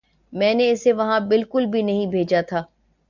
میں نے اسے وہاں بالکل بھی نہیں بھیجا تھا